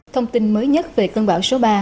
thông tin mới nhất về cơn bão số ba